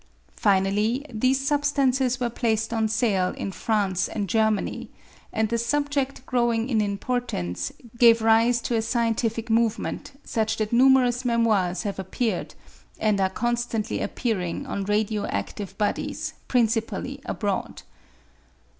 Finally, these substances were placed on sale in France and Germany, and the subjedl growing in importance gave rise to a scientific movement, such that numerous memoirs have appeared, and are constantly appearing on radio adtive bodies, principally abroad.